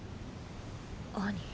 アニ。